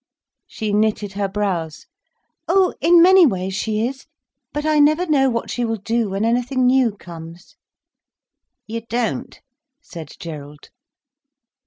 She knitted her brows. "Oh, in many ways she is. But I never know what she will do when anything new comes." "You don't?" said Gerald.